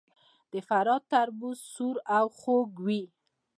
د فراه تربوز سور او خوږ وي.